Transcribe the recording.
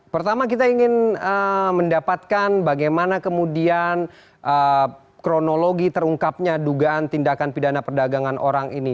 pertama kita ingin mendapatkan bagaimana kemudian kronologi terungkapnya dugaan tindakan pidana perdagangan orang ini